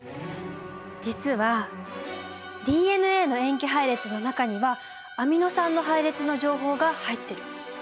実はＤＮＡの塩基配列の中にはアミノ酸の配列の情報が入ってる。